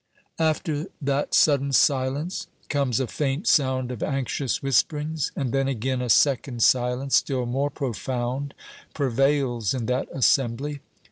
After that sudden silence comes a faint sound of anxious whisperings; and then again a second silence, still more profound, prevails in that assembly.